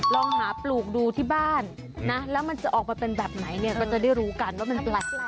ลองหาปลูกดูที่บ้านนะแล้วมันจะออกมาเป็นแบบไหนเนี่ยก็จะได้รู้กันว่ามันแปลก